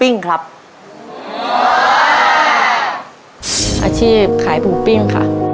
มีกำหนดข้อบังคับ